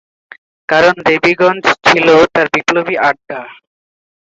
কারণ দেবীগঞ্জ ছিল তার বিপ্লবী আড্ডা।